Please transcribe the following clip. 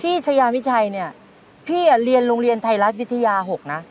ชายาวิชัยเนี่ยพี่เรียนโรงเรียนไทยรัฐวิทยา๖นะ